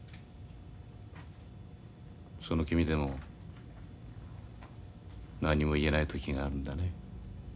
その君でも何も言えない時があるんだね。